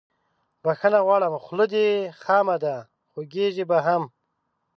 بخښنه غواړم خوله دې خامه ده خوږیږي به هم